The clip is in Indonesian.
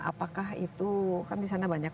apakah itu kan disana banyak